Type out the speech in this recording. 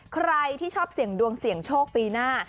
ใครที่ชอบเสี่ยงดวงเสี่ยงโชคปีหน้า